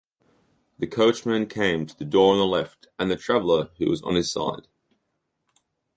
The coachman came to the door on the left and the traveler who was on his side.